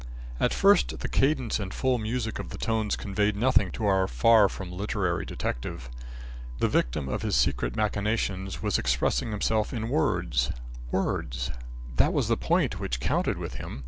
At first, the cadence and full music of the tones conveyed nothing to our far from literary detective. The victim of his secret machinations was expressing himself in words, words; that was the point which counted with him.